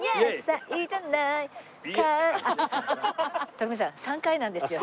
徳光さん３回なんですよ。